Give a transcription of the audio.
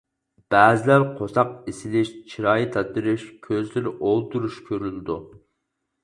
بەزىلەر قورساق ئېسىلىش، چىرايى تاتىرىش، كۆزلىرى ئولتۇرۇشۇش كۆرۈلىدۇ.